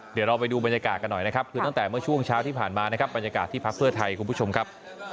เดี๋ยวเราไปดูบรรยากาศกันหน่อยนะครับคือตั้งแต่เมื่อช่วงเช้าที่ผ่านมานะครับบรรยากาศที่พักเพื่อไทยคุณผู้ชมครับ